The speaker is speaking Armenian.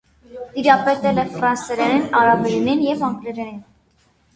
Տիրապետել է ֆրանսերենին, արաբերենին և անգլերենին։